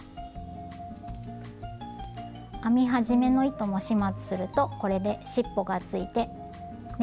編み始めの糸も始末するとこれでしっぽがついてね